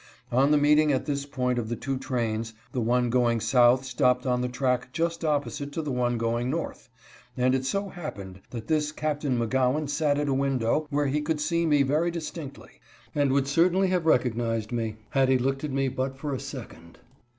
On the meeting at this point of the two trains, the one going south stopped on the track just opposite to the one going north, and it so hap pened that this Captain McGowan sat at a window where he could see me very distinctly, and would certainly have recognized me had he looked p at me but for a second.